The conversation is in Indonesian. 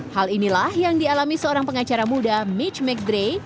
hal inilah yang dialami seorang pengacara muda mitch mcgray